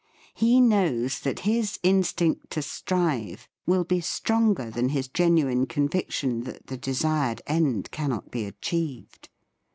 He knows that his instinct to strive will be stronger than his genuine conviction that the desired end cannot be achieved.